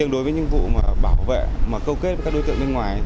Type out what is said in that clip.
đối với những vụ bảo vệ mà câu kết với các đối tượng bên ngoài